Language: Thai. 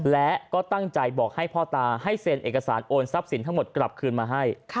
และก็ตั้งใจบอกให้พ่อตาให้เซ็นเอกสารโอนทรัพย์สินทั้งหมดกลับคืนมาให้